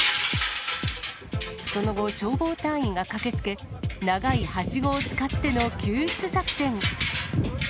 その後、消防隊員が駆けつけ、長いはしごを使っての救出作戦。